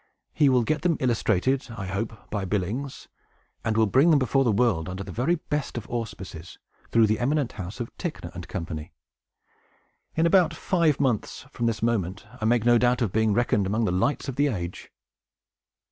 He will get them illustrated, I hope, by Billings, and will bring them before the world under the very best of auspices, through the eminent house of TICKNOR & CO. In about five months from this moment, I make no doubt of being reckoned among the lights of the age!"